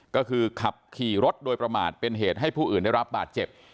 ก็คือขับขี่รถโดยประมาทเป็นเหตุให้ผู้อื่นได้รับบาดเจ็บ